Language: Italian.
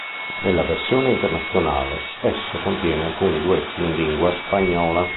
Nella versione internazionale esso contiene alcuni duetti in lingua spagnola.